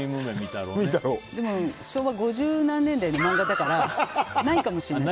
昭和五十何年代のマンガだからないかもしれない。